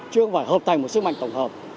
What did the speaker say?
chứ không phải hợp thành một sức mạnh tổng hợp